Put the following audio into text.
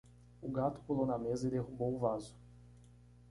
O gato pulou na mesa e derrubou o vaso.